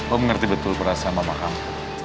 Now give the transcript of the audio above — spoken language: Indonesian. om ngerti betul perasaan mama kamu